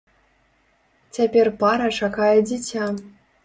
Цяпер пара чакае дзіця.